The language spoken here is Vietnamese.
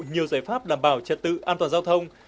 nhiều giải pháp đảm bảo trật tự an toàn giao thông